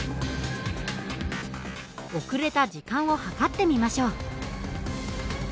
遅れた時間を計ってみましょう。